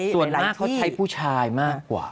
ส่วนมากเขาใช้ผู้ชายมากกว่า